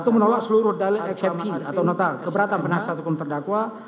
itu menolak seluruh dalil eksepsi atau nota keberatan penasihat hukum terdakwa